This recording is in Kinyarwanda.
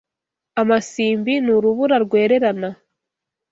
Amasimbi ni Urubura rwererana